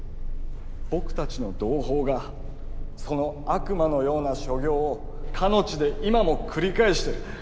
僕たちの同胞がその悪魔のような所業をかの地で今も繰り返してる。